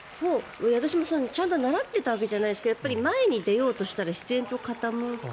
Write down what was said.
私もちゃんと習っていたわけじゃないですけど前に出ようとしたら自然と傾く。